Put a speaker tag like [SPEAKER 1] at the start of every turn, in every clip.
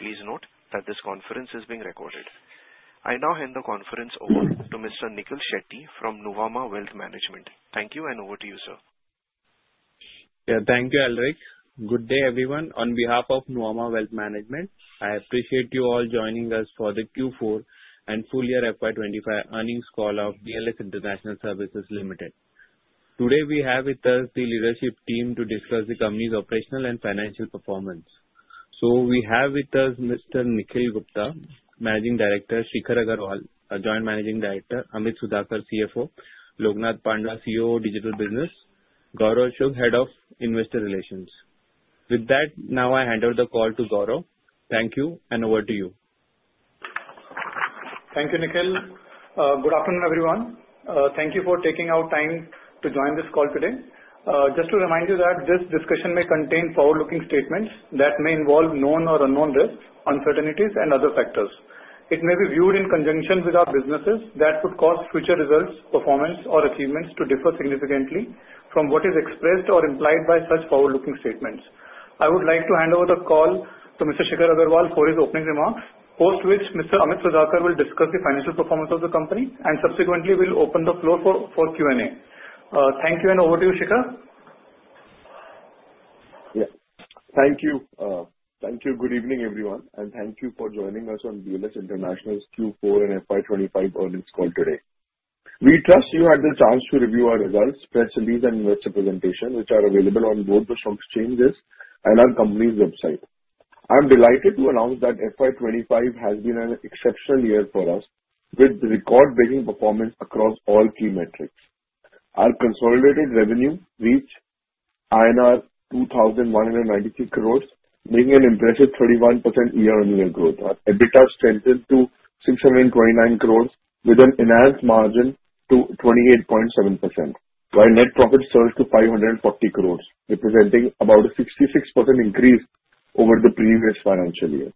[SPEAKER 1] Please note that this conference is being recorded. I now hand the conference over to Mr. Nikhil Shetty from Nuvama Wealth Management. Thank you, and over to you, sir.
[SPEAKER 2] Yeah, thank you, Alrik. Good day, everyone. On behalf of Nuvama Wealth Management, I appreciate you all joining us for the Q4 and full-year FY 2025 earnings call of BLS International Services Ltd. Today, we have with us the leadership team to discuss the company's operational and financial performance. So we have with us Mr. Nikhil Gupta, Managing Director; Shikhar Aggarwal, Joint Managing Director; Amit Sudhakar, CFO; Lokanath Panda, COO, Digital Business; Gaurav Chugh, Head of Investor Relations. With that, now I hand over the call to Gaurav. Thank you, and over to you.
[SPEAKER 3] Thank you, Nikhil. Good afternoon, everyone. Thank you for taking out time to join this call today. Just to remind you that this discussion may contain forward-looking statements that may involve known or unknown risks, uncertainties, and other factors. It may be viewed in conjunction with our businesses that could cause future results, performance, or achievements to differ significantly from what is expressed or implied by such forward-looking statements. I would like to hand over the call to Mr. Shikhar Aggarwal for his opening remarks, post which Mr. Amit Sudhakar will discuss the financial performance of the company, and subsequently, we'll open the floor for Q&A. Thank you, and over to you, Shikhar.
[SPEAKER 4] Yes, thank you. Thank you, good evening, everyone, and thank you for joining us on BLS International's Q4 and FY 2025 earnings call today. We trust you had the chance to review our results, press release, and investor presentation, which are available on both the stock exchanges and our company's website. I'm delighted to announce that FY 2025 has been an exceptional year for us, with record-breaking performance across all key metrics. Our consolidated revenue reached INR 2,193 crore, making an impressive 31% year-on-year growth. Our EBITDA strengthened to 629 crore, with an enhanced margin to 28.7%, while net profit surged to 540 crore, representing about a 66% increase over the previous financial year.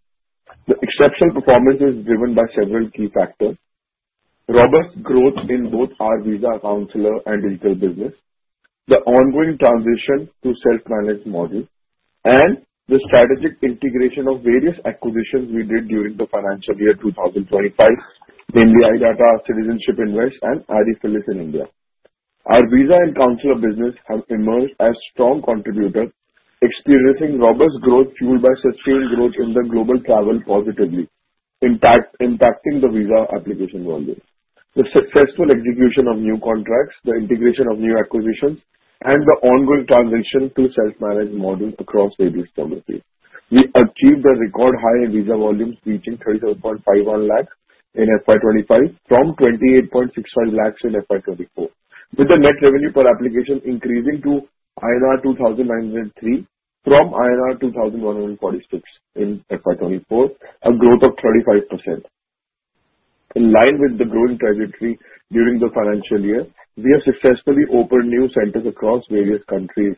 [SPEAKER 4] The exceptional performance is driven by several key factors: robust growth in both our visa consular and digital business, the ongoing transition to self-managed model, and the strategic integration of various acquisitions we did during the financial year 2025, namely iDATA, Citizenship Invest and Aadifidelis in India. Our visa and consular business have emerged as strong contributors, experiencing robust growth fueled by sustained growth in the global travel positively, impacting the visa application volume. The successful execution of new contracts, the integration of new acquisitions, and the ongoing transition to self-managed model across various industries, we achieved a record-high visa volume reaching 3.751 lakh in FY 2025 from 2.865 lakh in FY 2024, with the net revenue per application increasing to INR 2,903 from INR 2,146 in FY 2024, a growth of 35%. In line with the growing trajectory during the financial year, we have successfully opened new centers across various countries,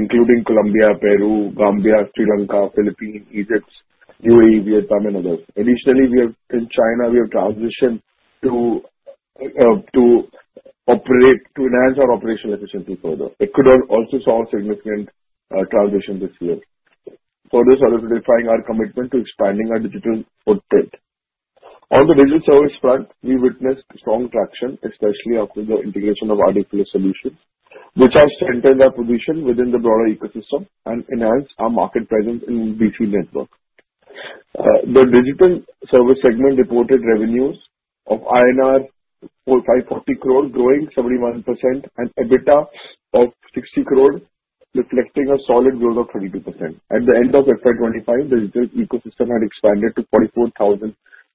[SPEAKER 4] including Colombia, Peru, Gambia, Sri Lanka, Philippines, Egypt, UAE, Vietnam, and others. Additionally, in China, we have transitioned to enhance our operational efficiency further. Ecuador also saw significant transition this year, further solidifying our commitment to expanding our digital footprint. On the digital service front, we witnessed strong traction, especially after the integration of Aadifidelis Solutions, which have strengthened our position within the broader ecosystem and enhanced our market presence in the BC network. The digital service segment reported revenues of INR 540 crore, growing 71%, and EBITDA of 60 crore, reflecting a solid growth of 32%. At the end of 2025, the digital ecosystem had expanded to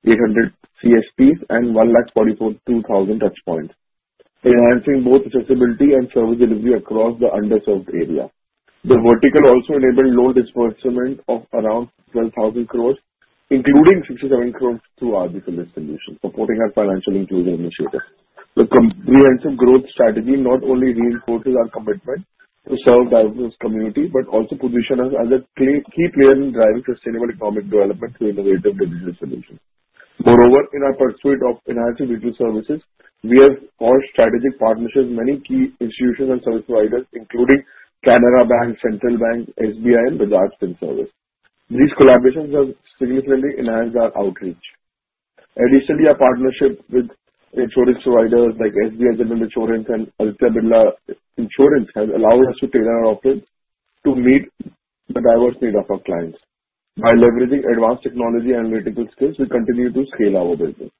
[SPEAKER 4] 44,800 CSPs and 1,442,000 lakh touchpoints, enhancing both accessibility and service delivery across the underserved area. The vertical also enabled loan disbursement of around 12,000 crore, including 67 crore through Aadifidelis Solutions, supporting our financial inclusion initiative. The comprehensive growth strategy not only reinforces our commitment to serve diverse communities but also positions us as a key player in driving sustainable economic development through innovative digital solutions. Moreover, in our pursuit of enhancing digital services, we have forged strategic partnerships with many key institutions and service providers, including Canara Bank, Central Bank, SBI, and Bajaj FinServ. These collaborations have significantly enhanced our outreach. Additionally, our partnership with insurance providers like SBI General Insurance and Aditya Birla Insurance has allowed us to tailor our offers to meet the diverse needs of our clients. By leveraging advanced technology and analytical skills, we continue to scale our business.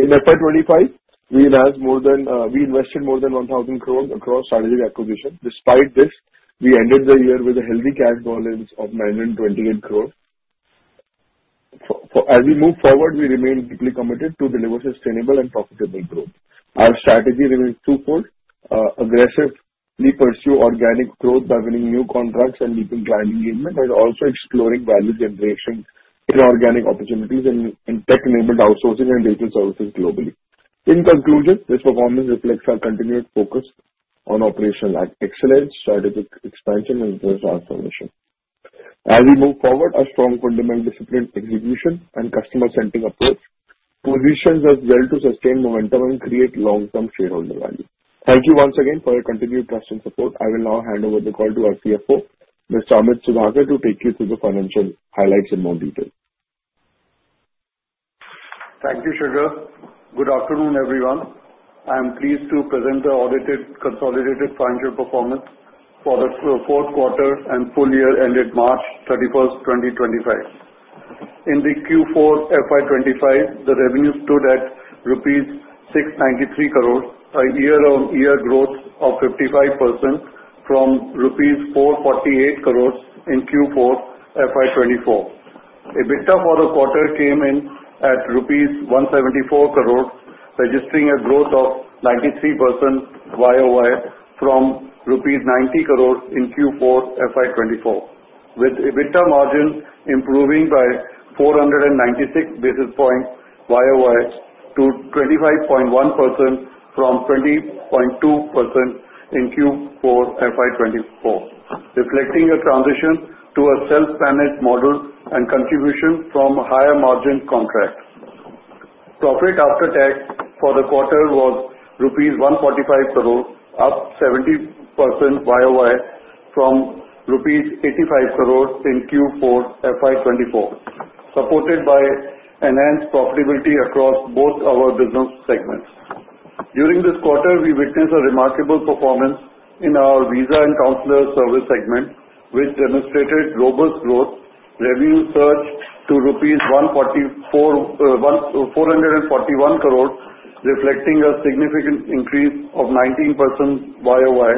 [SPEAKER 4] In FY 2025, we invested more than 1,000 crore across strategic acquisitions. Despite this, we ended the year with a healthy cash balance of 928 crore. As we move forward, we remain deeply committed to delivering sustainable and profitable growth. Our strategy remains twofold: aggressively pursuing organic growth by winning new contracts and deepening client engagement, and also exploring value generation in organic opportunities and tech-enabled outsourcing and digital services globally. In conclusion, this performance reflects our continued focus on operational excellence, strategic expansion, and business transformation. As we move forward, our strong fundamental discipline execution and customer-centric approach position us well to sustain momentum and create long-term shareholder value. Thank you once again for your continued trust and support. I will now hand over the call to our CFO, Mr. Amit Sudhakar, to take you through the financial highlights in more detail.
[SPEAKER 5] Thank you, Shikhar. Good afternoon, everyone. I am pleased to present the audited consolidated financial performance for the fourth quarter and full year ended March 31st, 2025. In the Q4 FY 2025, the revenue stood at rupees 693 crore, a year-on-year growth of 55% from rupees 448 crore in Q4 FY 2024. EBITDA for the quarter came in at rupees 174 crore, registering a growth of 93% YoY from rupees 90 crore in Q4 FY 2024, with EBITDA margin improving by 496 basis points YoY to 25.1% from 20.2% in Q4 FY 2024, reflecting a transition to a self-managed model and contribution from higher margin contracts. Profit after tax for the quarter was rupees 145 crore, up 70% YoY from rupees 85 crore in Q4 FY 2024, supported by enhanced profitability across both our business segments. During this quarter, we witnessed a remarkable performance in our visa and consular service segment, which demonstrated robust growth. Revenue surged to 441 crore, reflecting a significant increase of 19% YoY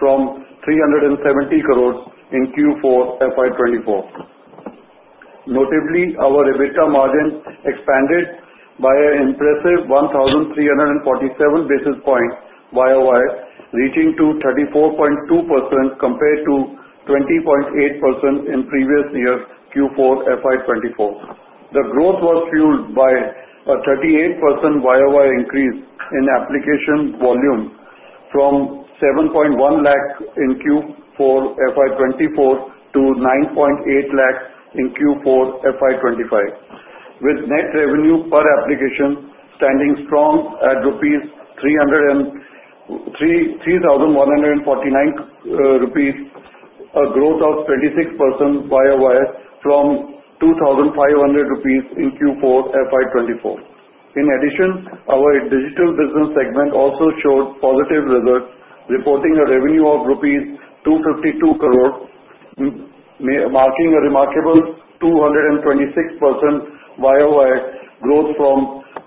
[SPEAKER 5] from 370 crore in Q4 FY 2024. Notably, our EBITDA margin expanded by an impressive 1,347 basis points YoY, reaching 34.2% compared to 20.8% in previous year Q4 FY 2024. The growth was fueled by a 38% YoY increase in application volume from 7.1 lakh in Q4 FY 2024 to 9.8 lakh in Q4 FY 2025, with net revenue per application standing strong at 3,149 rupees, a growth of 26% YoY from 2,500 rupees in Q4 FY 2024. In addition, our digital business segment also showed positive results, reporting a revenue of rupees 252 crore, marking a remarkable 226% YoY growth from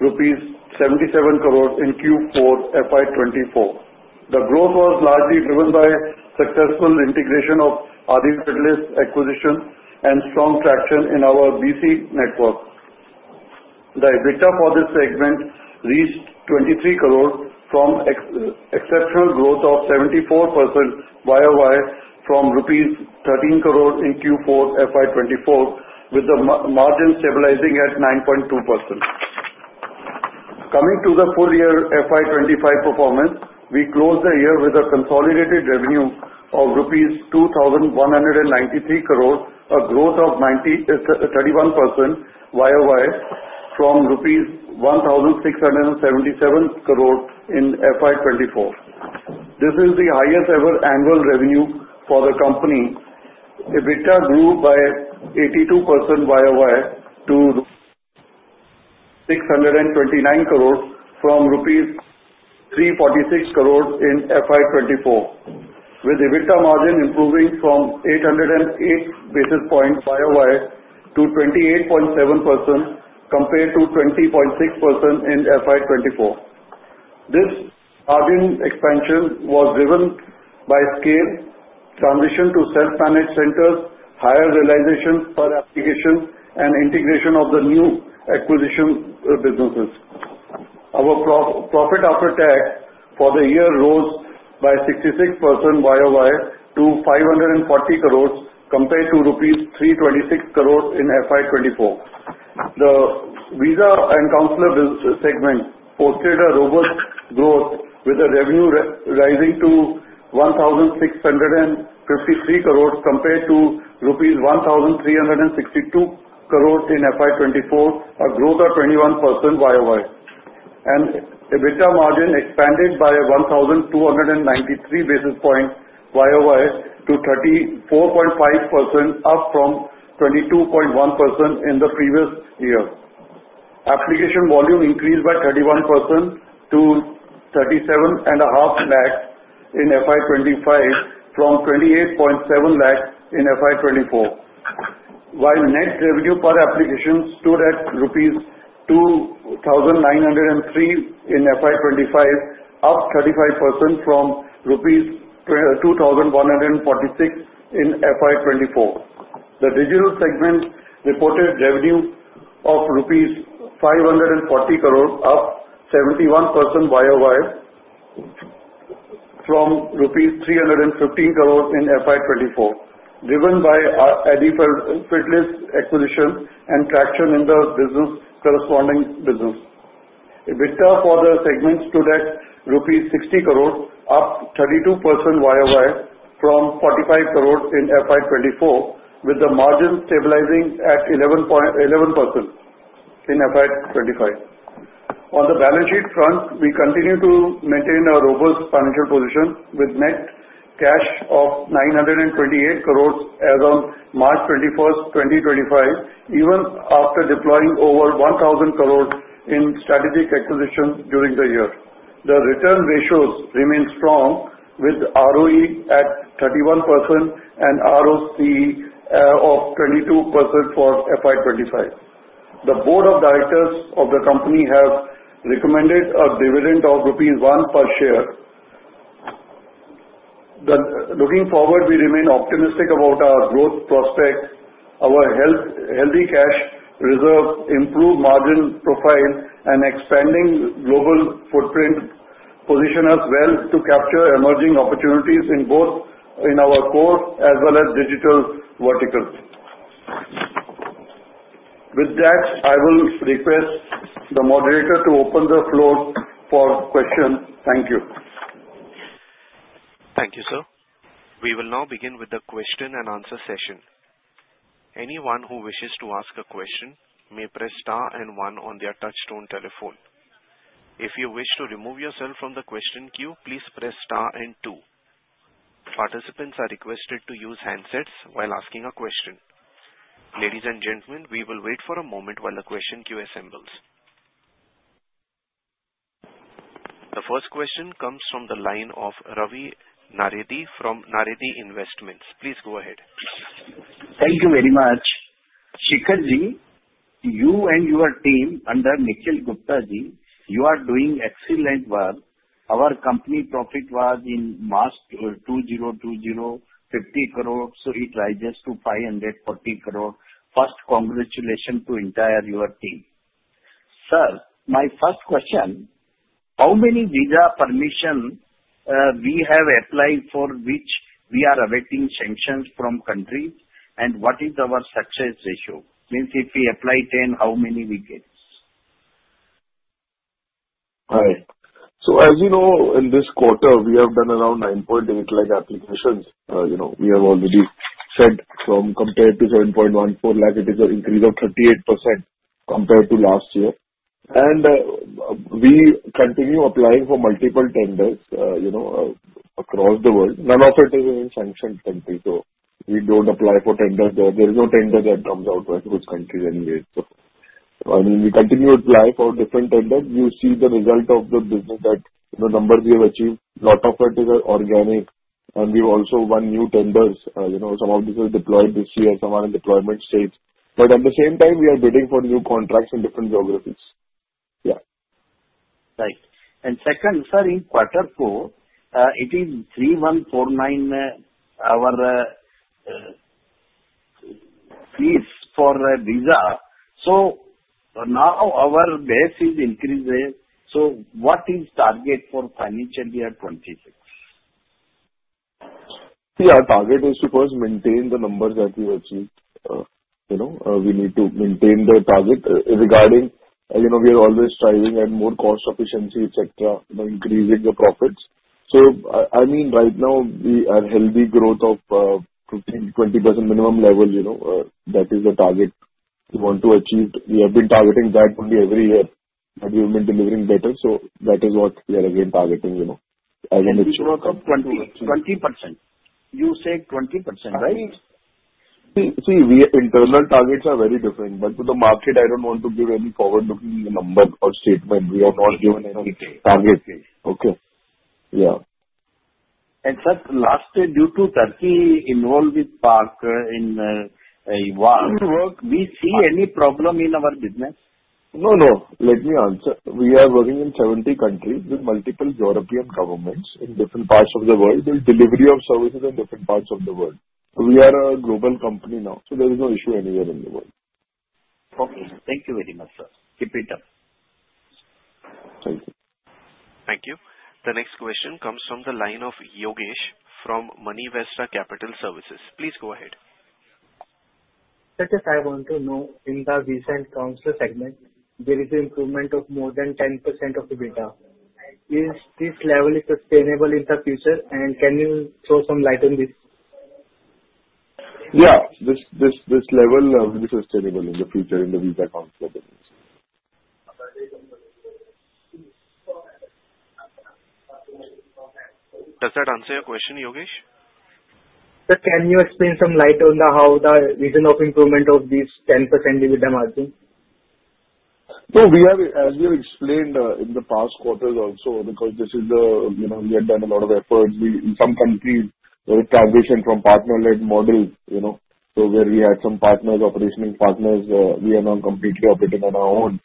[SPEAKER 5] rupees 77 crore in Q4 FY 2024. The growth was largely driven by successful integration of Aadifidelis acquisitions and strong traction in our BC network. The EBITDA for this segment reached 23 crore from exceptional growth of 74% YoY from rupees 13 crore in Q4 FY 2024, with the margin stabilizing at 9.2%. Coming to the full-year FY 2025 performance, we closed the year with a consolidated revenue of rupees 2,193 crore, a growth of 31% YoY from rupees 1,677 crore in FY 2024. This is the highest-ever annual revenue for the company. EBITDA grew by 82% YoY to 629 crore from rupees 346 crore in FY 2024, with EBITDA margin improving from 808 basis points YoY to 28.7% compared to 20.6% in FY 2024. This margin expansion was driven by scale, transition to self-managed centers, higher realization per application, and integration of the new acquisition businesses. Our profit after tax for the year rose by 66% YoY to 540 crore compared to rupees 326 crore in FY 2024. The visa and consular segment posted a robust growth, with revenue rising to 1,653 crore compared to rupees 1,362 crore in FY 2024, a growth of 21% YoY. EBITDA margin expanded by 1,293 basis points YoY to 34.5%, up from 22.1% in the previous year. Application volume increased by 31% to 37.5 lakh in FY 2025 from 28.7 lakh in FY 2024, while net revenue per application stood at rupees 2,903 in FY 2025, up 35% from rupees 2,146 in FY 2024. The digital segment reported revenue of rupees 540 crore, up 71% YoY from rupees 315 crore in FY 2024, driven by Aadifidelis acquisition and traction in the corresponding business. EBITDA for the segment stood at INR 60 crore, up 32% YoY from INR 45 crore in FY 2024, with the margin stabilizing at 11% in FY 2025. On the balance sheet front, we continue to maintain a robust financial position, with net cash of 928 crore as of March 21st, 2025, even after deploying over 1,000 crore in strategic acquisitions during the year. The return ratios remain strong, with ROE at 31% and ROCE of 22% for FY 2025. The board of directors of the company have recommended a dividend of rupees 1 per share. Looking forward, we remain optimistic about our growth prospects, our healthy cash reserve, improved margin profile, and expanding global footprint position us well to capture emerging opportunities in both our core as well as digital verticals. With that, I will request the moderator to open the floor for questions. Thank you.
[SPEAKER 1] Thank you, sir. We will now begin with the question-and-answer session. Anyone who wishes to ask a question may press star and one on their touchstone telephone. If you wish to remove yourself from the question queue, please press star and two. Participants are requested to use handsets while asking a question. Ladies and gentlemen, we will wait for a moment while the question queue assembles. The first question comes from the line of Ravi Naredi from Naredi Investments. Please go ahead.
[SPEAKER 6] Thank you very much. Shikhar ji, you and your team under Nikhil Gupta ji, you are doing excellent work. Our company profit was in March 2020, 50 crore, so it rises to 540 crore. First, congratulations to the entire your team. Sir, my first question, how many visa permissions we have applied for which we are awaiting sanctions from countries, and what is our success ratio? Means if we apply 10, how many we get?
[SPEAKER 4] All right. As you know, in this quarter, we have done around 9.8 lakh applications. We have already said compared to 7.14 lakh, it is an increase of 38% compared to last year. We continue applying for multiple tenders across the world. None of it is in sanctioned countries, so we do not apply for tenders there. There is no tender that comes out to us in those countries anyway. I mean, we continue to apply for different tenders. You see the result of the business, the numbers we have achieved, a lot of it is organic, and we have also won new tenders. Some of this is deployed this year, some are in deployment states. At the same time, we are bidding for new contracts in different geographies.
[SPEAKER 6] Yeah. Right. Second, sir, in quarter four, it is 3,149 our fees for visa. Now our base is increasing. What is the target for financial year 2026?
[SPEAKER 4] Yeah, our target is to first maintain the numbers that we have achieved. We need to maintain the target regarding we are always striving at more cost efficiency, etc., increasing the profits. I mean, right now, we are healthy growth of 15%-20% minimum level. That is the target we want to achieve. We have been targeting that only every year, but we have been delivering better. That is what we are again targeting as an achievement.
[SPEAKER 6] Which growth of 20%? You say 20%, right?
[SPEAKER 4] See, internal targets are very different, but to the market, I don't want to give any forward-looking number or statement. We are not giving any target. Okay. Yeah.
[SPEAKER 6] Sir, last year, due to Turkey involved with Pak in war, we see any problem in our business?
[SPEAKER 4] No, no. Let me answer. We are working in 70 countries with multiple European governments in different parts of the world, with delivery of services in different parts of the world. We are a global company now, so there is no issue anywhere in the world.
[SPEAKER 6] Okay. Thank you very much, sir. Keep it up. Thank you.
[SPEAKER 1] Thank you. The next question comes from the line of Yogesh from Moneyvesta Capital Services. Please go ahead.
[SPEAKER 7] Sir, just I want to know, in the visa and consular segment, there is an improvement of more than 10% of EBITDA. Is this level sustainable in the future, and can you throw some light on this?
[SPEAKER 4] Yeah. This level will be sustainable in the future in the visa consular business.
[SPEAKER 1] Does that answer your question, Yogesh?
[SPEAKER 7] Sir, can you explain some light on how the reason of improvement of this 10% dividend margin?
[SPEAKER 4] As we have explained in the past quarters also, because we have done a lot of efforts. In some countries, there is transition from partner-led model. Where we had some partners, operational partners, we are now completely operating on our own.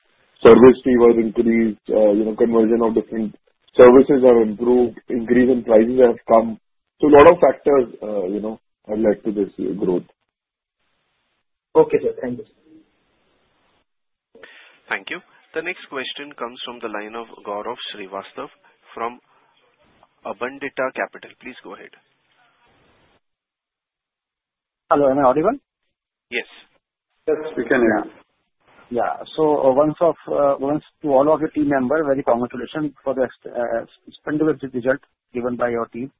[SPEAKER 4] Service fee was increased. Conversion of different services have improved. Increase in prices have come. A lot of factors have led to this growth.
[SPEAKER 7] Okay, sir. Thank you, sir.
[SPEAKER 1] Thank you. The next question comes from the line of Gaurav Srivastava from Abundita Capital. Please go ahead.
[SPEAKER 8] Hello. Am I audible?
[SPEAKER 9] Yes.
[SPEAKER 4] Yes, we can. Yeah.
[SPEAKER 8] Yeah. Once to all of the team members, very congratulations for the splendid result given by your team.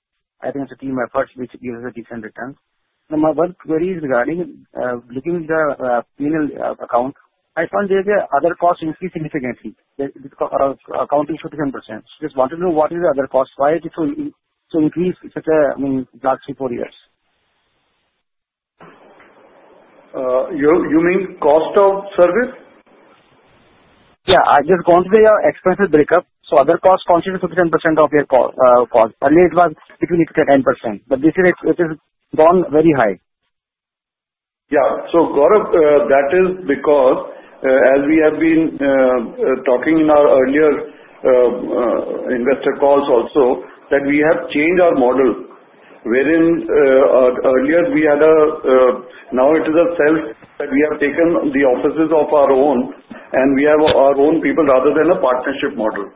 [SPEAKER 8] I think it's a team effort which gives us a decent return. Now, my one query is regarding looking at the P&L account. I found there is another cost increase significantly. The accounting is 57%. Just wanted to know what is the other cost? Why is it so increased such a, I mean, last three, four years?
[SPEAKER 5] You mean cost of service?
[SPEAKER 8] Yeah. I just wanted the expenses breakup. So other costs contributed 57% of your cost. Earlier, it was 10%. But this year, it has gone very high.
[SPEAKER 5] Yeah. Gaurav, that is because, as we have been talking in our earlier investor calls also, we have changed our model. Wherein earlier, we had a, now it is a self, that we have taken the offices of our own, and we have our own people rather than a partnership model.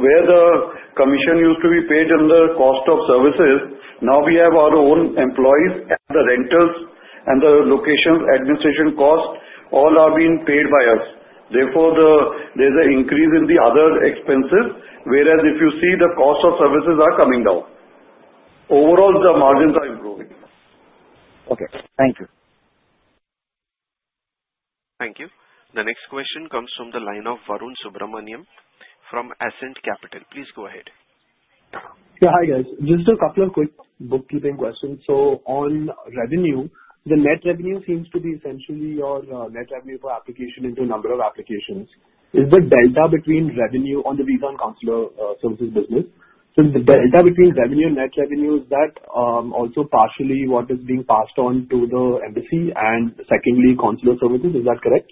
[SPEAKER 5] Where the commission used to be paid and the cost of services, now we have our own employees and the rentals and the location administration costs all are being paid by us. Therefore, there is an increase in the other expenses, whereas if you see the cost of services are coming down. Overall, the margins are improving.
[SPEAKER 8] Okay. Thank you.
[SPEAKER 1] Thank you. The next question comes from the line of Varun Subramanian from Ascent Capital. Please go ahead.
[SPEAKER 10] Yeah. Hi guys. Just a couple of quick bookkeeping questions. On revenue, the net revenue seems to be essentially your net revenue per application into a number of applications. Is the delta between revenue on the visa and consular services business, so the delta between revenue and net revenue, is that also partially what is being passed on to the embassy and secondly consular services? Is that correct?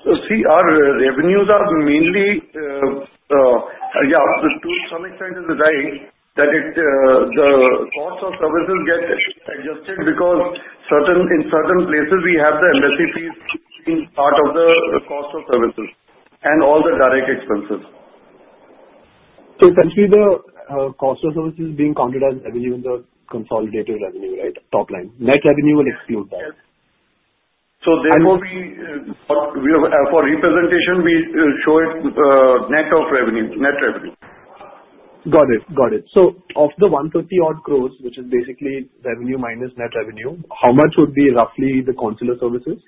[SPEAKER 5] See, our revenues are mainly, yeah, to some extent, the cost of services get adjusted because in certain places, we have the embassy fees being part of the cost of services and all the direct expenses.
[SPEAKER 10] Essentially, the cost of services is being counted as revenue in the consolidated revenue, right? Top line. Net revenue will exclude that.
[SPEAKER 5] Therefore, for representation, we show it net of revenue. Net revenue.
[SPEAKER 10] Got it. Got it. Of the 130-odd crores, which is basically revenue minus net revenue, how much would be roughly the counselor services?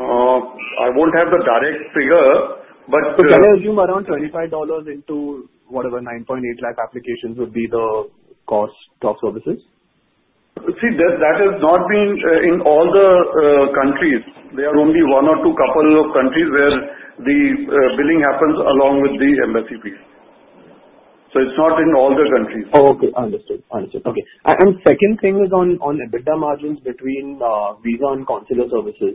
[SPEAKER 5] I won't have the direct figure, but.
[SPEAKER 10] Can I assume around $25 into whatever 9.8 lakh applications would be the cost of services?
[SPEAKER 5] See, that has not been in all the countries. There are only one or two countries where the billing happens along with the embassy fees. It is not in all the countries.
[SPEAKER 10] Oh, okay. Understood. Understood. Okay. Second thing is on EBITDA margins between visa and consular services.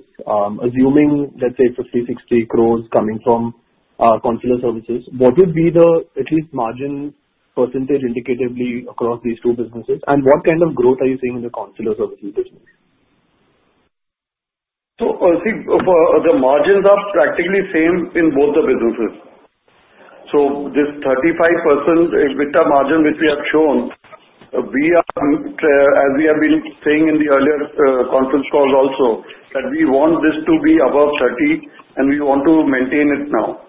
[SPEAKER 10] Assuming, let's say, 50 crore-60 crore coming from consular services, what would be the at least margin percentage indicatively across these two businesses? What kind of growth are you seeing in the consular services business?
[SPEAKER 5] See, the margins are practically same in both the businesses. This 35% EBITDA margin which we have shown, we are, as we have been saying in the earlier conference calls also, that we want this to be above 30%, and we want to maintain it now.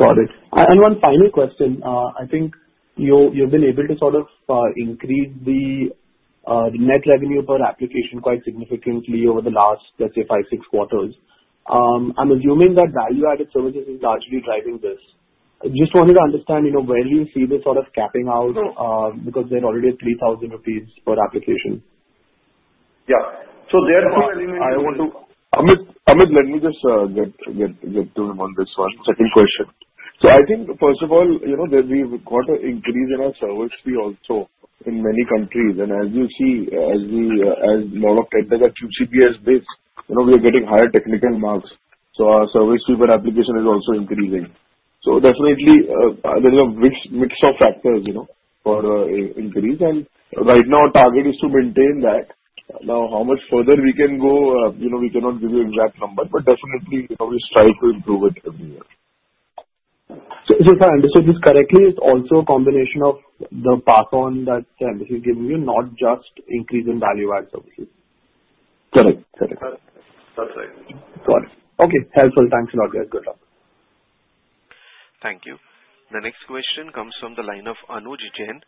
[SPEAKER 10] Got it. One final question. I think you've been able to sort of increase the net revenue per application quite significantly over the last, let's say, five, six quarters. I'm assuming that value-added services is largely driving this. Just wanted to understand where do you see this sort of capping out because they're already at 3,000 rupees per application?
[SPEAKER 5] Yeah. Therefore, I want to,
[SPEAKER 4] Amit, let me just get to him on this one. Second question. I think, first of all, we've got an increase in our service fee also in many countries. As you see, as a lot of tenders are QCBS bids, we are getting higher technical marks. Our service fee per application is also increasing. Definitely, there is a mix of factors for increase. Right now, our target is to maintain that. How much further we can go, we cannot give you exact number, but definitely, we strive to improve it every year.
[SPEAKER 10] If I understood this correctly, it's also a combination of the pass-on that the embassy is giving you, not just increase in value-added services?
[SPEAKER 4] Correct. Correct.
[SPEAKER 5] That's right.
[SPEAKER 10] Got it. Okay. Helpful. Thanks a lot, guys. Good luck.
[SPEAKER 1] Thank you. The next question comes from the line of Anuj Jain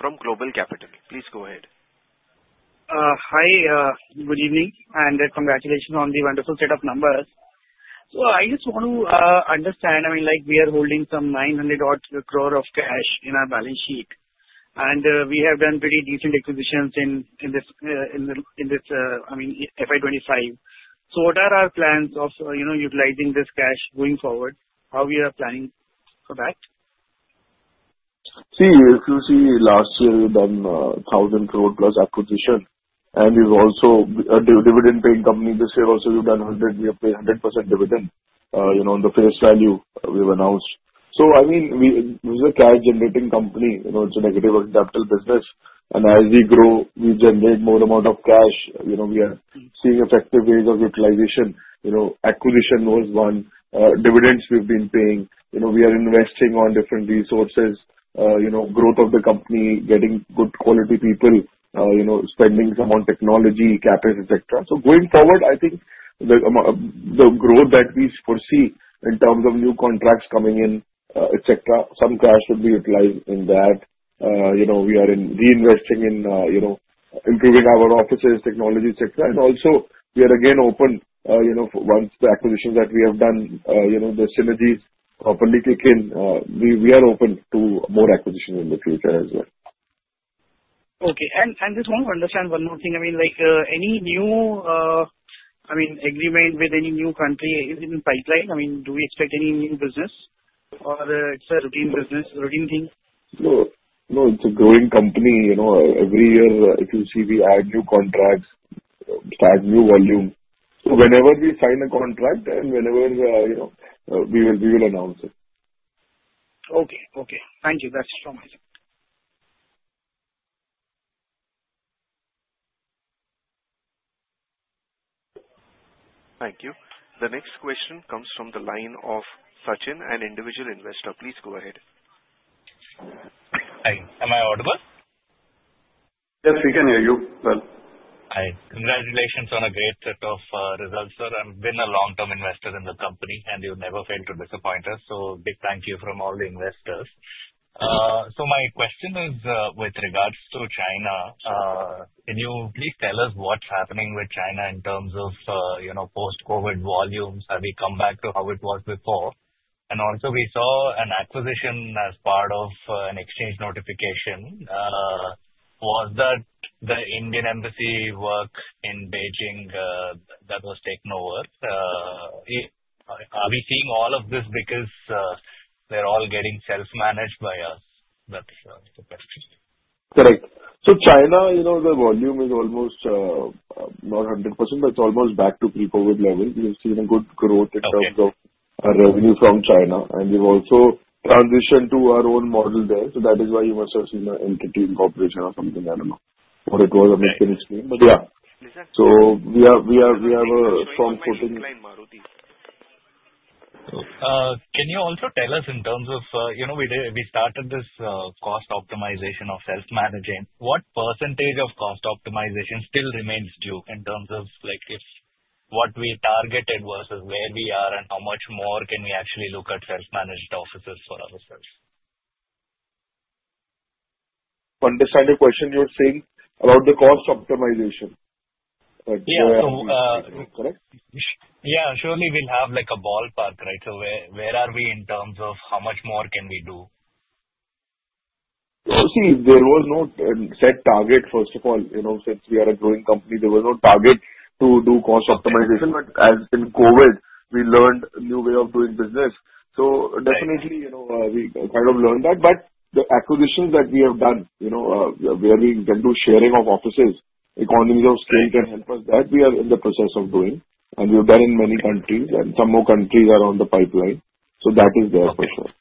[SPEAKER 1] from Globe Capital. Please go ahead.
[SPEAKER 11] Hi. Good evening and congratulations on the wonderful set of numbers. I just want to understand, I mean, we are holding some 900 crore of cash in our balance sheet, and we have done pretty decent acquisitions in this, I mean, FY 2025. What are our plans of utilizing this cash going forward? How are we planning for that?
[SPEAKER 4] See, if you see, last year, we've done 1,000 crore plus acquisition. And we've also a dividend-paying company this year also. We've done 100% dividend on the face value we've announced. So I mean, we're a cash-generating company. It's a negative capital business. And as we grow, we generate more amount of cash. We are seeing effective ways of utilization. Acquisition was one. Dividends we've been paying. We are investing on different resources, growth of the company, getting good quality people, spending some on technology, capping, etc. Going forward, I think the growth that we foresee in terms of new contracts coming in, etc., some cash would be utilized in that. We are reinvesting in improving our offices, technology, etc. We are again open once the acquisitions that we have done, the synergies properly kick in, we are open to more acquisitions in the future as well.
[SPEAKER 11] Okay. Just want to understand one more thing. I mean, any new, I mean, agreement with any new country in pipeline? I mean, do we expect any new business or it's a routine business, routine thing?
[SPEAKER 4] No. No. It's a growing company. Every year, if you see, we add new contracts, start new volume. So whenever we sign a contract and whenever we will announce it.
[SPEAKER 11] Okay. Okay. Thank you. That's from my side.
[SPEAKER 1] Thank you. The next question comes from the line of Sachin, an individual investor. Please go ahead.
[SPEAKER 12] Hi. Am I audible?
[SPEAKER 4] Yes. We can hear you well.
[SPEAKER 12] Hi. Congratulations on a great set of results, sir. I have been a long-term investor in the company, and you have never failed to disappoint us. A big thank you from all the investors. My question is with regards to China. Can you please tell us what is happening with China in terms of post-COVID volumes? Have we come back to how it was before? We saw an acquisition as part of an exchange notification. Was that the Indian embassy work in Beijing that was taken over? Are we seeing all of this because they are all getting self-managed by us? That is the question.
[SPEAKER 4] Correct. China, the volume is almost not 100%, but it's almost back to pre-COVID levels. We have seen a good growth in terms of revenue from China. We have also transitioned to our own model there. That is why you must have seen an entity incorporation or something. I do not know what it was, Amit can explain. Yeah. We have a strong footing.
[SPEAKER 12] Can you also tell us in terms of we started this cost optimization of self-managing? What percentage of cost optimization still remains due in terms of what we targeted versus where we are, and how much more can we actually look at self-managed offices for ourselves?
[SPEAKER 4] Understand the question you're saying about the cost optimization.
[SPEAKER 12] Yeah. So yeah, surely we'll have a ballpark, right? So where are we in terms of how much more can we do?
[SPEAKER 4] See, there was no set target. First of all, since we are a growing company, there was no target to do cost optimization. As in COVID, we learned a new way of doing business. We kind of learned that. The acquisitions that we have done, where we can do sharing of offices, economies of scale can help us. We are in the process of doing that. We have done this in many countries, and some more countries are in the pipeline. That is there for sure.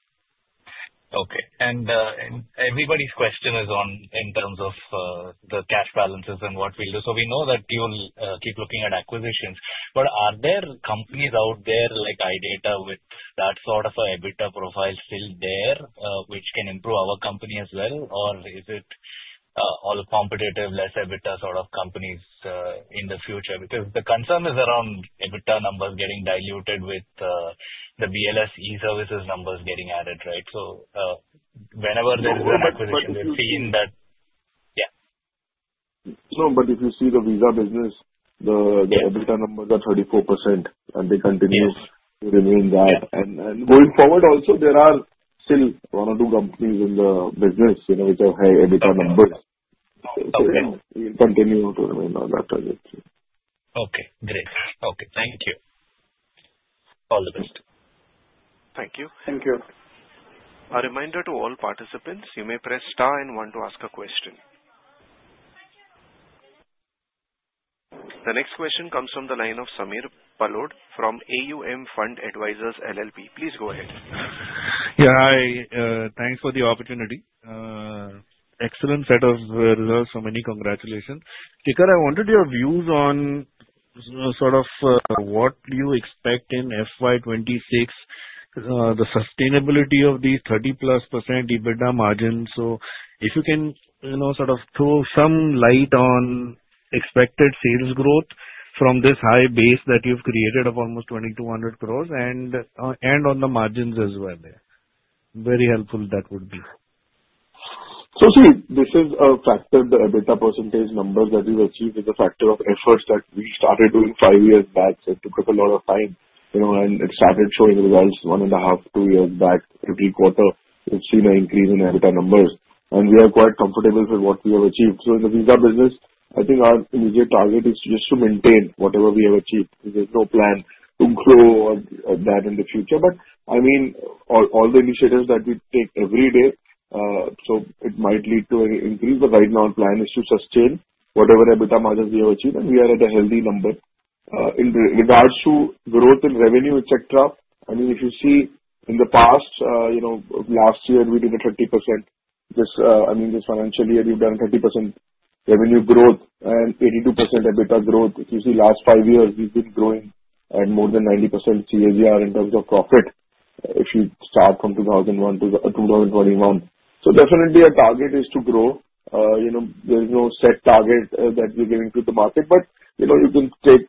[SPEAKER 12] Okay. Everybody's question is in terms of the cash balances and what we'll do. We know that you'll keep looking at acquisitions. Are there companies out there like iDATA with that sort of an EBITDA profile still there which can improve our company as well? Or is it all competitive, less EBITDA sort of companies in the future? The concern is around EBITDA numbers getting diluted with the BLS E-services numbers getting added, right? Whenever there is an acquisition, we've seen that. Yeah.
[SPEAKER 4] No. If you see the visa business, the EBITDA numbers are 34%, and they continue to remain that. Going forward also, there are still one or two companies in the business which have high EBITDA numbers. We'll continue to remain on that trajectory.
[SPEAKER 12] Okay. Great. Okay. Thank you. All the best.
[SPEAKER 1] Thank you.
[SPEAKER 4] Thank you.
[SPEAKER 1] A reminder to all participants, you may press star and one to ask a question. The next question comes from the line of Samir Palod from AUM Fund Advisors LLP. Please go ahead.
[SPEAKER 13] Yeah. Hi. Thanks for the opportunity. Excellent set of results. So many congratulations. Kikkar, I wanted your views on sort of what do you expect in FY 2026, the sustainability of the 30%+ EBITDA margin. If you can sort of throw some light on expected sales growth from this high base that you have created of almost 2,200 crore and on the margins as well. Very helpful that would be.
[SPEAKER 4] See, this is a factor, the EBITDA percentage numbers that we've achieved is a factor of efforts that we started doing five years back. It took a lot of time, and it started showing results one and a half, two years back, every quarter. We've seen an increase in EBITDA numbers. We are quite comfortable with what we have achieved. In the visa business, I think our immediate target is just to maintain whatever we have achieved. There's no plan to grow that in the future. I mean, all the initiatives that we take every day, it might lead to an increase. Right now, our plan is to sustain whatever EBITDA margins we have achieved. We are at a healthy number in regards to growth in revenue, etc. I mean, if you see in the past, last year, we did a 30%. I mean, this financial year, we've done a 30% revenue growth and 82% EBITDA growth. If you see last five years, we've been growing at more than 90% CAGR in terms of profit if you start from 2001-2021. So definitely, our target is to grow. There is no set target that we're giving to the market. But you can take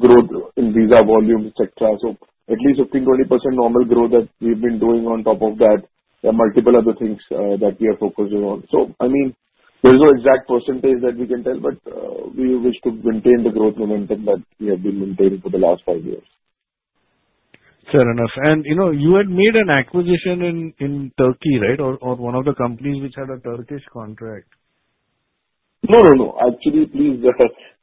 [SPEAKER 4] growth in visa volume, etc. So at least 15%-20% normal growth that we've been doing on top of that. There are multiple other things that we are focusing on. So I mean, there's no exact percentage that we can tell, but we wish to maintain the growth momentum that we have been maintaining for the last five years.
[SPEAKER 13] Fair enough. You had made an acquisition in Turkey, right, or one of the companies which had a Turkish contract?
[SPEAKER 4] No, no, no. Actually, please,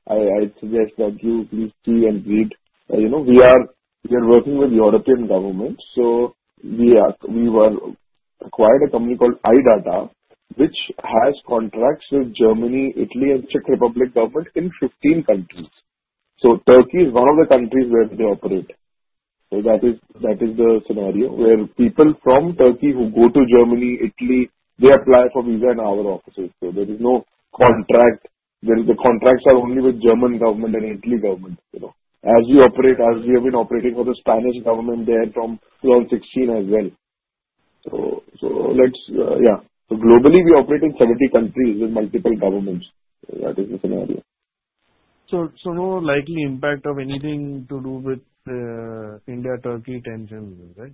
[SPEAKER 4] I suggest that you please see and read. We are working with the European government. So we acquired a company called iDATA, which has contracts with Germany, Italy, and Czech Republic government in 15 countries. Turkey is one of the countries where they operate. That is the scenario where people from Turkey who go to Germany, Italy, they apply for visa in our offices. There is no contract. The contracts are only with German government and Italy government. As we operate, as we have been operating for the Spanish government there from 2016 as well. Yeah. Globally, we operate in 70 countries with multiple governments. That is the scenario.
[SPEAKER 13] No likely impact of anything to do with India-Turkey tensions, right?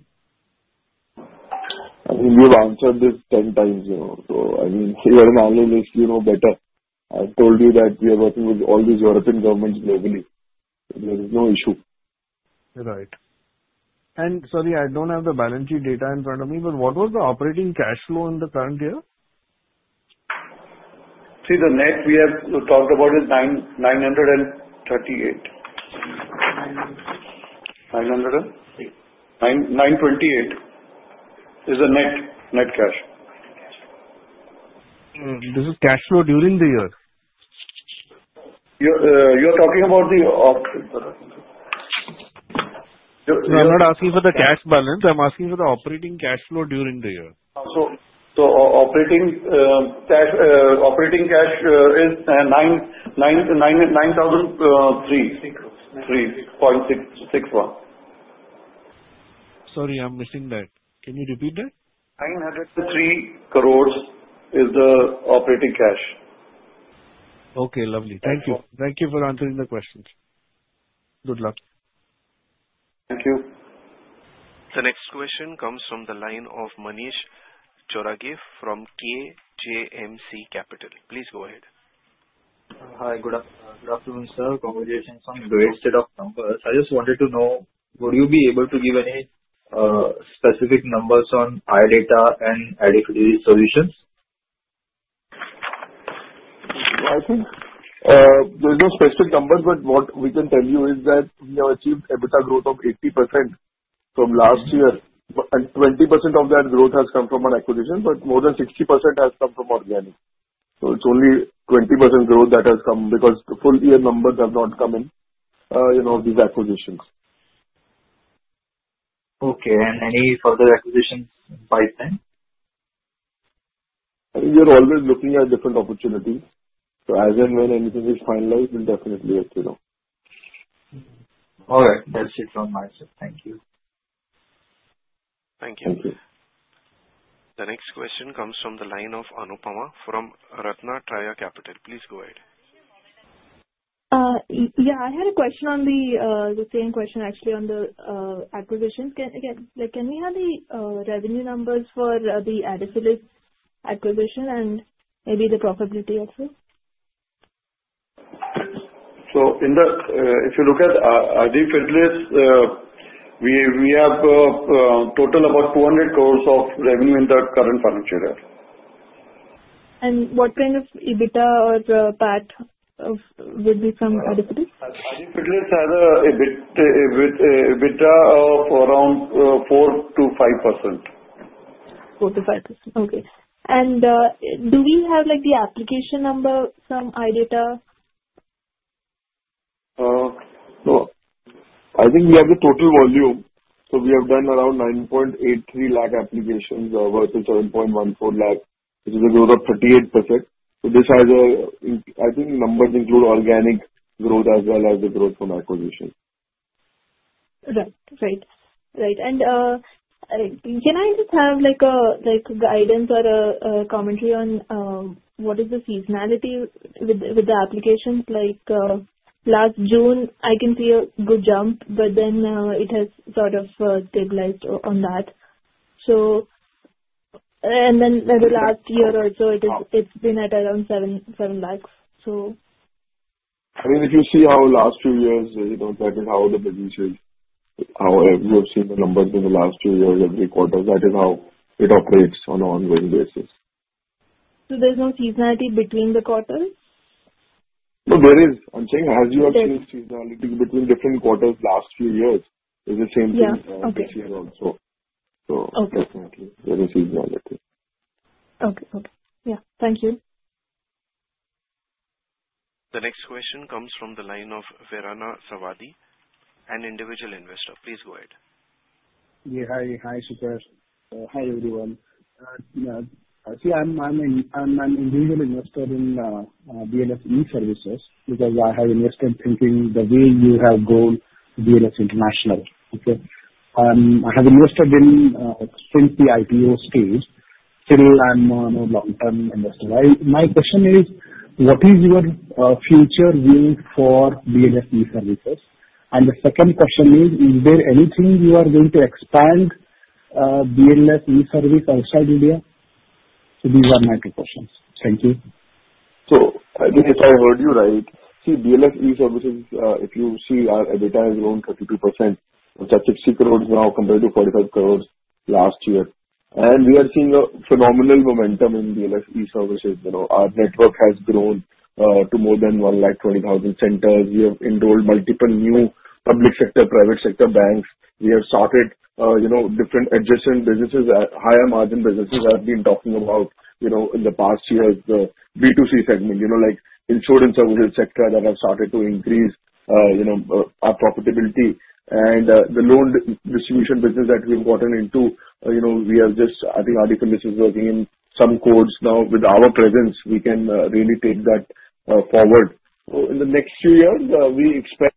[SPEAKER 4] I mean, you've answered this 10 times. I mean, you are an analyst. You know better. I've told you that we are working with all these European governments globally. There is no issue.
[SPEAKER 13] Right. Sorry, I don't have the balance sheet data in front of me, but what was the operating cash flow in the current year?
[SPEAKER 5] See, the net we have talked about is 938. 900 and? 928 is the net cash.
[SPEAKER 13] This is cash flow during the year?
[SPEAKER 5] You're talking about the.
[SPEAKER 13] I'm not asking for the cash balance. I'm asking for the operating cash flow during the year.
[SPEAKER 5] Operating cash is 903.64.
[SPEAKER 13] Sorry, I'm missing that. Can you repeat that?
[SPEAKER 5] 903 crore is the operating cash.
[SPEAKER 13] Okay. Lovely. Thank you. Thank you for answering the questions. Good luck.
[SPEAKER 4] Thank you.
[SPEAKER 1] The next question comes from the line of Manish Choraghe from KJMC Capital. Please go ahead.
[SPEAKER 14] Hi. Good afternoon, sir. Congratulations on great set of numbers. I just wanted to know, would you be able to give any specific numbers on iDATA and Aadifidelis Solutions?
[SPEAKER 4] I think there's no specific numbers, but what we can tell you is that we have achieved EBITDA growth of 80% from last year. 20% of that growth has come from our acquisition, but more than 60% has come from organic. It is only 20% growth that has come because the full year numbers have not come in of these acquisitions.
[SPEAKER 14] Okay. Any further acquisitions by then?
[SPEAKER 4] I mean, we're always looking at different opportunities. As and when anything is finalized, we'll definitely let you know.
[SPEAKER 14] All right. That's it from my side. Thank you.
[SPEAKER 1] Thank you. Thank you. The next question comes from the line of Anupama from RatnaTraya Capital. Please go ahead.
[SPEAKER 15] Yeah. I had a question on the same question, actually, on the acquisitions. Can we have the revenue numbers for the Aadifidelis acquisition and maybe the profitability also?
[SPEAKER 4] If you look at Aadifidelis, we have a total of about 200 crore of revenue in the current financial year.
[SPEAKER 15] What kind of EBITDA or PAT would be from Aadifidelis?
[SPEAKER 4] Aadifidelis has an EBITDA of around 4%-5%.
[SPEAKER 15] 4%-5%. Okay. And do we have the application number from iDATA?
[SPEAKER 4] I think we have the total volume. We have done around 9.83 lakh applications versus 7.14 lakh which is a growth of 38%. This has, I think, numbers include organic growth as well as the growth from acquisition.
[SPEAKER 15] Right. Right. Right. Can I just have guidance or a commentary on what is the seasonality with the applications? Last June, I can see a good jump, but then it has sort of stabilized on that. The last year also, it has been at around 7 lakh, so.
[SPEAKER 4] I mean, if you see how last few years, that is how the business is, how we have seen the numbers in the last few years, every quarter. That is how it operates on an ongoing basis.
[SPEAKER 15] There's no seasonality between the quarters?
[SPEAKER 4] No, there is. I'm saying as you actually see the seasonality between different quarters last few years, it's the same thing this year also. Definitely, there is seasonality.
[SPEAKER 15] Okay. Okay. Yeah. Thank you.
[SPEAKER 1] The next question comes from the line of Veeranna Savadi, an individual investor. Please go ahead.
[SPEAKER 12] Yeah. Hi. Hi, Shikhar. Hi, everyone. See, I'm an individual investor in BLS E-services because I have invested thinking the way you have grown BLS International. Okay? I have invested since the IPO stage till I'm a long-term investor. My question is, what is your future view for BLS E-services? The second question is, is there anything you are going to expand BLS e-services outside India? These are my two questions. Thank you.
[SPEAKER 4] I think if I heard you right, see, BLS E-services, if you see, our EBITDA has grown 32%, which is 60 crore now compared to 45 crore last year. We are seeing a phenomenal momentum in BLS E-services. Our network has grown to more than 120,000 centers. We have enrolled multiple new public sector, private sector banks. We have started different adjacent businesses, higher margin businesses I've been talking about in the past years, the B2C segment, like insurance services, etc., that have started to increase our profitability. The loan distribution business that we've gotten into, we have just, I think, Aadifidelis is working in some codes now. With our presence, we can really take that forward. In the next few years, we expect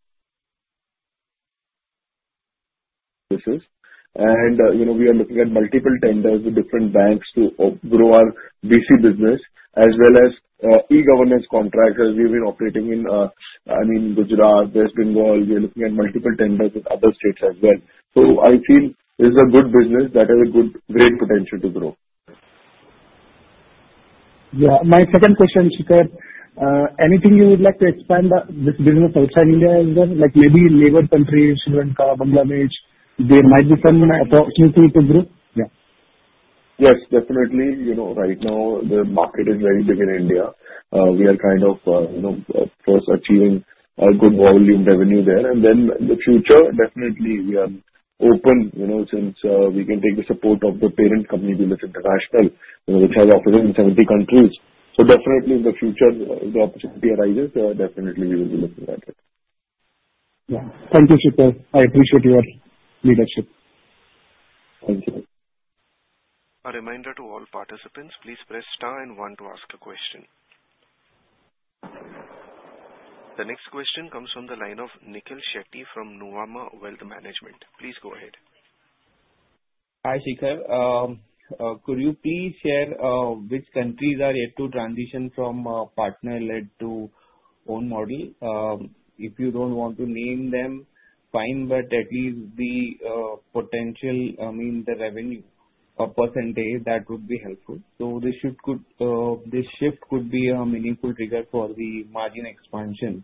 [SPEAKER 4] businesses. We are looking at multiple tenders with different banks to grow our BC business, as well as e-governance contractors. We've been operating in, I mean, Gujarat, West Bengal. We are looking at multiple tenders in other states as well. I feel this is a good business that has great potential to grow.
[SPEAKER 12] Yeah. My second question, Shikhar, anything you would like to expand this business outside India as well, like maybe neighboring countries, Sri Lanka, Bangladesh? There might be some opportunity to grow. Yeah.
[SPEAKER 4] Yes. Definitely. Right now, the market is very big in India. We are kind of first achieving a good volume revenue there. In the future, definitely, we are open since we can take the support of the parent company, BLS International, which has operated in 70 countries. Definitely, in the future, if the opportunity arises, definitely, we will be looking at it.
[SPEAKER 12] Yeah. Thank you, Shikhar. I appreciate your leadership.
[SPEAKER 4] Thank you.
[SPEAKER 1] A reminder to all participants, please press star and one to ask a question. The next question comes from the line of Nikhil Shetty from Nuvama Wealth Management. Please go ahead.
[SPEAKER 2] Hi, Shikhar. Could you please share which countries are yet to transition from partner-led to own model? If you do not want to name them, fine, but at least the potential, I mean, the revenue percentage, that would be helpful. This shift could be a meaningful trigger for the margin expansion.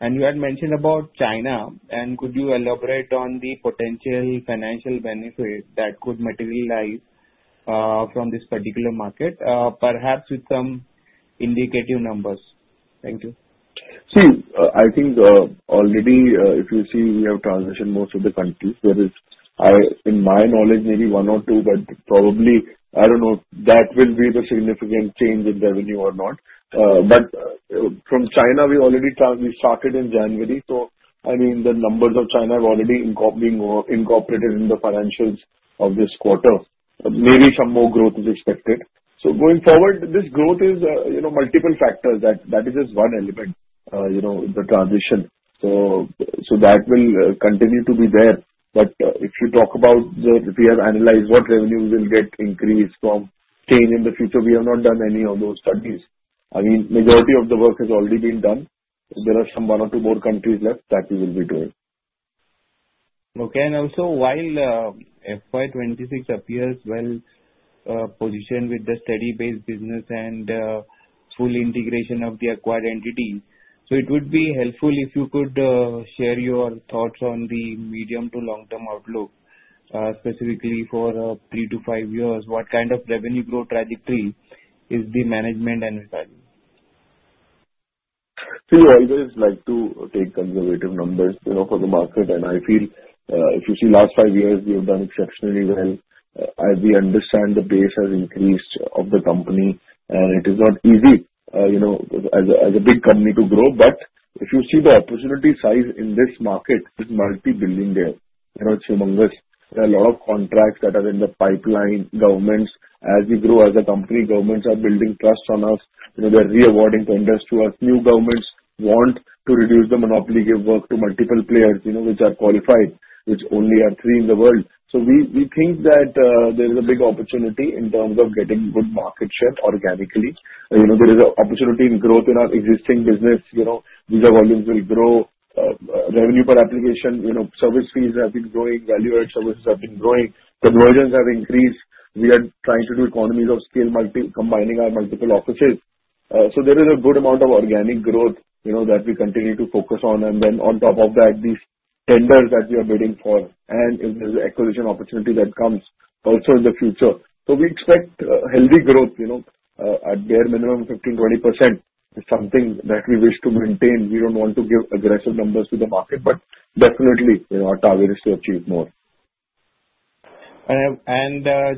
[SPEAKER 2] You had mentioned about China. Could you elaborate on the potential financial benefit that could materialize from this particular market, perhaps with some indicative numbers? Thank you.
[SPEAKER 4] See, I think already, if you see, we have transitioned most of the countries. There is, in my knowledge, maybe one or two, but probably, I do not know if that will be the significant change in revenue or not. From China, we started in January. I mean, the numbers of China have already been incorporated in the financials of this quarter. Maybe some more growth is expected. Going forward, this growth is multiple factors. That is just one element, the transition. That will continue to be there. If you talk about the, if we have analyzed what revenues will get increased from change in the future, we have not done any of those studies. I mean, majority of the work has already been done. There are some one or two more countries left that we will be doing.
[SPEAKER 2] Okay. Also, while FY 2026 appears well positioned with the steady-based business and full integration of the acquired entities, it would be helpful if you could share your thoughts on the medium to long-term outlook, specifically for three to five years. What kind of revenue growth trajectory is the management and retirement?
[SPEAKER 4] See, I always like to take conservative numbers for the market. I feel if you see, last five years, we have done exceptionally well. As we understand, the pace has increased of the company. It is not easy as a big company to grow. If you see the opportunity size in this market, it's multiplying there. It's humongous. There are a lot of contracts that are in the pipeline. Governments, as we grow as a company, governments are building trust on us. They're reawarding tenders to us. New governments want to reduce the monopoly, give work to multiple players which are qualified, which only are three in the world. We think that there is a big opportunity in terms of getting good market share organically. There is an opportunity in growth in our existing business. These are volumes will grow. Revenue per application, service fees have been growing. Value-added services have been growing. Conversions have increased. We are trying to do economies of scale, combining our multiple offices. There is a good amount of organic growth that we continue to focus on. On top of that, these tenders that we are bidding for. If there is an acquisition opportunity that comes also in the future. We expect healthy growth at bare minimum 15%-20% is something that we wish to maintain. We do not want to give aggressive numbers to the market, but definitely, our target is to achieve more.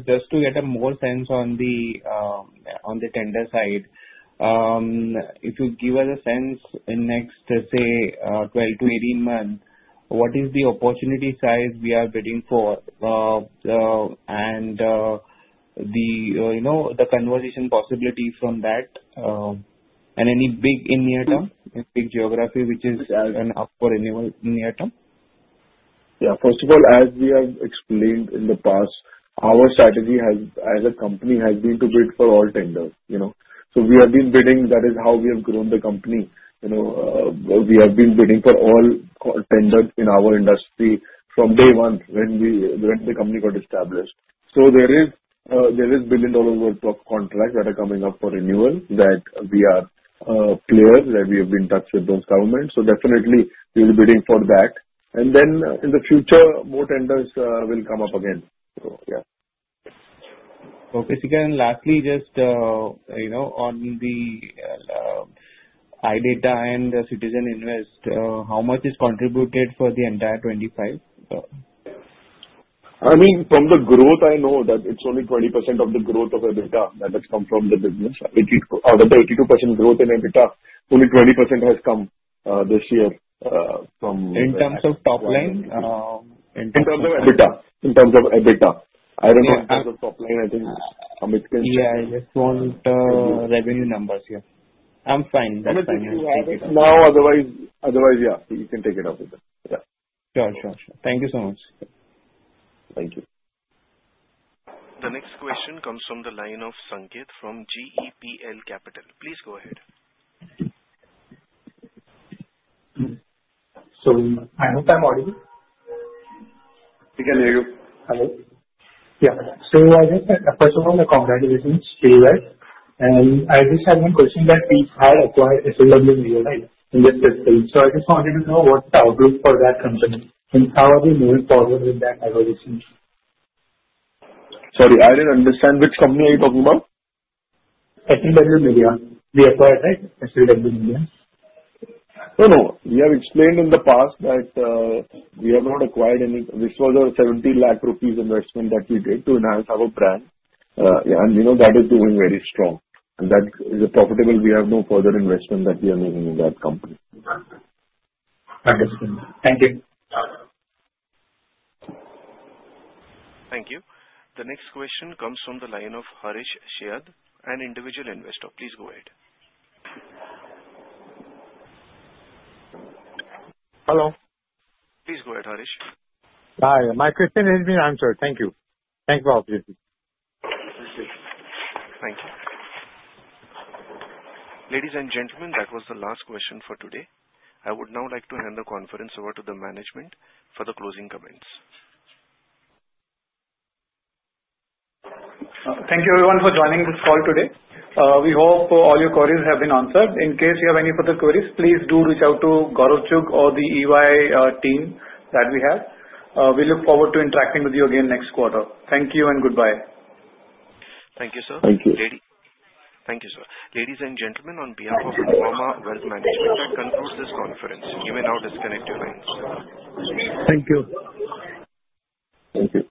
[SPEAKER 2] Just to get a more sense on the tender side, if you give us a sense in next, say, 12-18 months, what is the opportunity size we are bidding for? The conversation possibility from that and any big in near term, big geography, which is an up for renewal in near term?
[SPEAKER 4] Yeah. First of all, as we have explained in the past, our strategy as a company has been to bid for all tenders. We have been bidding. That is how we have grown the company. We have been bidding for all tenders in our industry from day one when the company got established. There is billion-dollar worth of contracts that are coming up for renewal that we are a player, that we have been in touch with those governments. Definitely, we'll be bidding for that. In the future, more tenders will come up again. Yeah.
[SPEAKER 2] Okay. Shikhar, and lastly, just on the iDATA and Citizenship Invest, how much is contributed for the entire 2025?
[SPEAKER 4] I mean, from the growth, I know that it's only 20% of the growth of EBITDA that has come from the business. Other than 82% growth in EBITDA, only 20% has come this year from.
[SPEAKER 2] In terms of top line?
[SPEAKER 4] In terms of EBITDA. I don't know. In terms of top line, I think Amit can speak.
[SPEAKER 2] Yeah. I just want revenue numbers here. I'm fine. That's fine.
[SPEAKER 4] If you have it now, otherwise, yeah, you can take it off. Yeah.
[SPEAKER 2] Sure. Thank you so much.
[SPEAKER 4] Thank you.
[SPEAKER 1] The next question comes from the line of Sanket from GEPL Capital. Please go ahead.
[SPEAKER 16] I hope I'm audible.
[SPEAKER 4] We can hear you.
[SPEAKER 16] Hello. Yeah. I just want to congratulate you on the congratulations to you guys. I just had one question that we had acquired SLW Media, right, in this system. I just wanted to know what's the outlook for that company and how are they moving forward with that acquisition?
[SPEAKER 4] Sorry, I didn't understand. Which company are you talking about?
[SPEAKER 16] SLW Media. We acquired, right, SLW Media?
[SPEAKER 4] No, no. We have explained in the past that we have not acquired any. This was an 70 lakh rupees investment that we did to enhance our brand. That is doing very strong. That is profitable. We have no further investment that we are making in that company.
[SPEAKER 16] Understood. Thank you.
[SPEAKER 1] Thank you. The next question comes from the line of Harish Shehad, an individual investor. Please go ahead.
[SPEAKER 12] Hello.
[SPEAKER 4] Please go ahead, Harish.
[SPEAKER 12] Hi. My question has been answered. Thank you. Thank you all.
[SPEAKER 4] Thank you.
[SPEAKER 1] Ladies and gentlemen, that was the last question for today. I would now like to hand the conference over to the management for the closing comments.
[SPEAKER 3] Thank you, everyone, for joining this call today. We hope all your queries have been answered. In case you have any further queries, please do reach out to Gaurav Chugh or the EY team that we have. We look forward to interacting with you again next quarter. Thank you and goodbye.
[SPEAKER 1] Thank you, sir.
[SPEAKER 8] Thank you.
[SPEAKER 1] Thank you, sir. Ladies and gentlemen, on behalf of Nuvama Wealth Management, that concludes this conference. You may now disconnect your lines.
[SPEAKER 9] Thank you. Thank you.